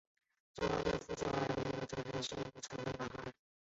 李庆烨于首尔附近的城南市出生时是一个男孩。